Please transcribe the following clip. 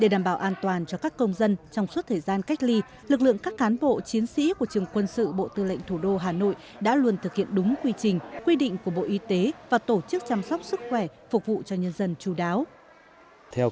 để đảm bảo an toàn cho các công dân trong suốt thời gian cách ly lực lượng các cán bộ chiến sĩ của trường quân sự bộ tư lệnh thủ đô hà nội đã luôn thực hiện đúng quy trình quy định của bộ y tế và tổ chức chăm sóc sức khỏe phục vụ cho nhân dân chú đáo